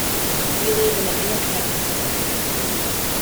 We live in an interconnected society.